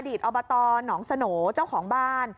สอบตหนองสโหน่เจ้าของบ้าน